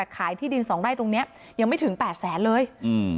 หน่วยงานที่เกี่ยวข้องมาช่วยหน่อยได้ไหมช่วยลูกสาวแม่หน่อยได้ไหม